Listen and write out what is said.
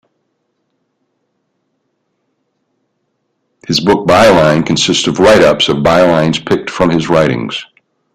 His book 'Byline' consists of write-ups of bylines picked from his writings.